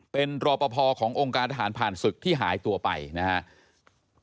เป็นรอปภขององค์การทหารผ่านศึกที่หายตัวไปนะครับ